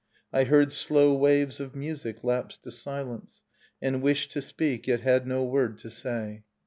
I heard slow waves of music lapse to silence, And wished to speak, yet had no word to say.